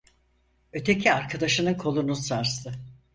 Öteki, arkadaşının kolunu sarstı.